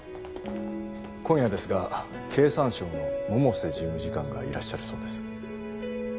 今夜ですが経産省の百瀬事務次官がいらっしゃるそうです。